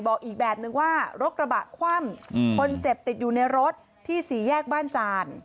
บอกอีกแบบนึงว่ารถกระบะคว่ำคนเจ็บติดอยู่ในรถที่สี่แยกบ้านจาน